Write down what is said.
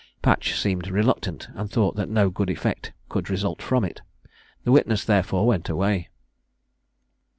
Patch seemed reluctant, and thought that no good effect could result from it. The witness therefore went away.